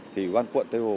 thì quan quận tây hồ